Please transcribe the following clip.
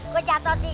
kau jatuh sih